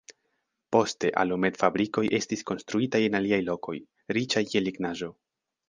Poste alumetfabrikoj estis konstruitaj en aliaj lokoj, riĉaj je lignaĵo.